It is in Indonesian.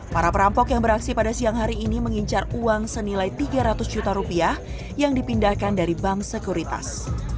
para perampok yang beraksi pada siang hari ini mengincar uang senilai tiga ratus juta rupiah yang dipindahkan dari bank sekuritas